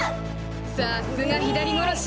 さすが左殺し。